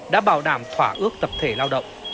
đã bảo đảm thỏa ước tập thể lao động